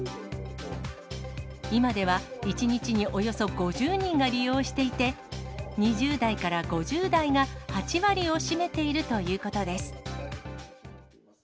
今では１日におよそ５０人が利用していて、２０代から５０代が８割を占めているということです。